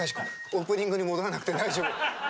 オープニングに戻らなくて大丈夫。